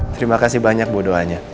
terima kasih banyak bu doanya